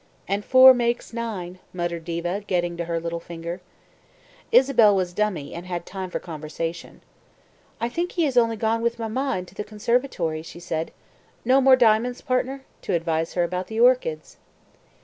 ("And four makes nine," muttered Diva, getting to her little finger.) Isabel was dummy, and had time for conversation. "I think he has only gone with Mamma into the conservatory," she said "no more diamonds, partner? to advise her about the orchids."